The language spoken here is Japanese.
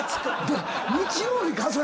日曜日か？